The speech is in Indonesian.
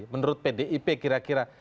menurut pdip kira kira